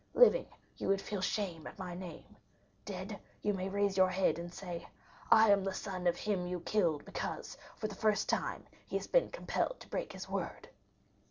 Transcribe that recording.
Living, you would feel shame at my name; dead, you may raise your head and say, 'I am the son of him you killed, because, for the first time, he has been compelled to break his word.